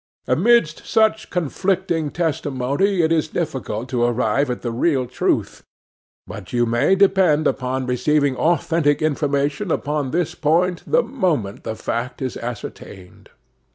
Amidst such conflicting testimony it is difficult to arrive at the real truth; but you may depend upon receiving authentic information upon this point the moment the fact is ascertained.